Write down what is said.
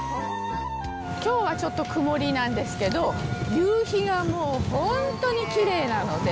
きょうはちょっと、曇りなんですけど、夕日がもう、本当にきれいなので。